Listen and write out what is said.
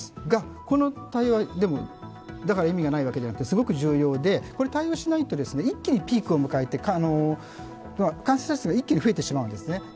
この対応は、だから意味がないわけじゃなくてすごく重要で、これは対応しないと一気にピークを迎えて感染者数が一気に増えてしまうんですね。